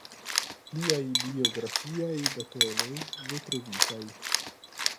Pliaj biografiaj datenoj ne trovitaj.